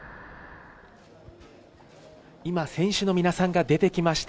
今、選手の皆さんが出てきました。